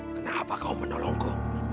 kenapa kau menolongku